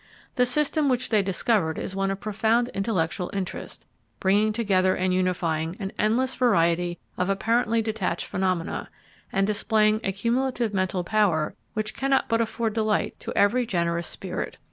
The system which they discovered is one of profound intellectual interest, bringing together and unifying an endless variety of apparently detached phenomena, and displaying a cumulative mental power which cannot but afford delight to every generous spirit.